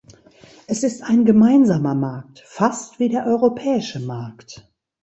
Es ist ein gemeinsamer Markt, fast wie der europäische Markt.